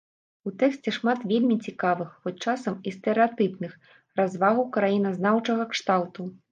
У тэксце шмат вельмі цікавых, хоць часам і стэрэатыпных, развагаў краіназнаўчага кшталту.